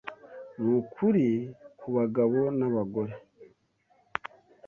Ni ukuri ku bagabo n’abagore